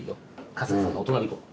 春日さんのお隣行こう。